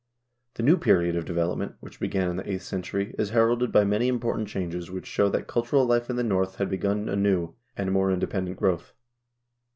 The new period of development which began in the eighth century is heralded by many important changes which show that cultural life in the North had begun a new and more independent growth.